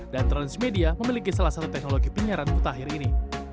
dan transmedia memiliki salah satu teknologi penyiaran putah hari ini